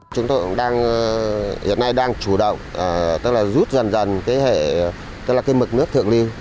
chúng tôi hiện nay đang chủ động tức là rút dần dần cái mực nước thượng lũ